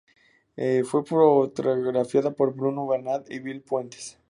Fue fotografiada por Bruno Bernard y Bill Puentes.